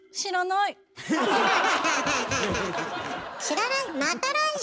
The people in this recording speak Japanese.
知らない！